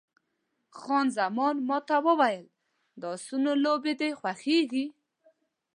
خان زمان ما ته وویل، د اسونو لوبې دې خوښېږي؟